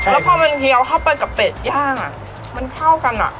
แล้วพอมันเฮียวเข้าไปกับเป็ดย่างมันเข้ากันอ่ะ